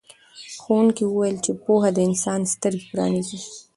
ښوونکي وویل چې پوهه د انسان سترګې پرانیزي.